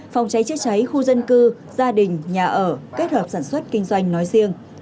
phòng cháy chữa cháy khu dân cư gia đình nhà ở kết hợp sản xuất kinh doanh nói riêng